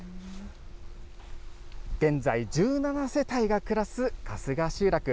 現在１７世帯が暮らす春日集落。